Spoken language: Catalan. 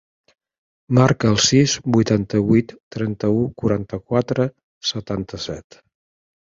Marca el sis, vuitanta-vuit, trenta-u, quaranta-quatre, setanta-set.